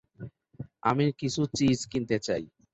আমি কিছু চিজ কিনতে চাই।